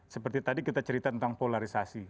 seperti tadi kita cerita tentang polarisasi